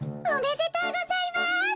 おめでとうございます。